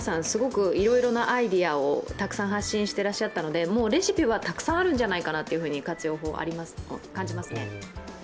すごくいろいろなアイデアをたくさん発信してらっしゃったので活用法のレシピはたくさんあるんじゃないかなと感じますね。